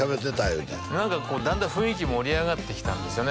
言うて何かだんだん雰囲気盛り上がってきたんですよね